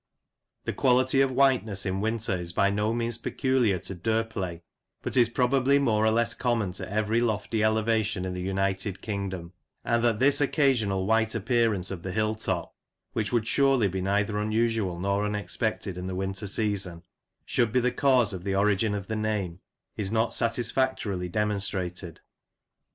The quality of whiteness in winter is by no means peculiar to Derplay, but is probably more or less common to every lofty elevation in the United Kingdom ; and that this occa sional white appearance of the hill top — which would surely be neither unusual nor unexpected in the winter season — should be the cause of the origin of the name, is not satis factorily demonstrated.